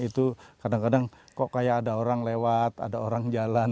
itu kadang kadang kok kayak ada orang lewat ada orang jalan